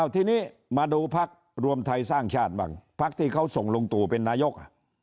ทีนี้มาดูพักรวมไทยสร้างชาติบ้างพักที่เขาส่งลุงตู่เป็นนายก